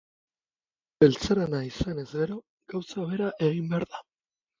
Beltzarana izanez gero, gauza bera egin behar da.